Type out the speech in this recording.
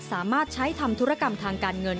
สามารถใช้ทำธุรกรรมทางการเงิน